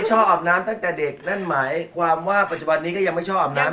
เขาขอนั่นแหละเขาพูดยืมไง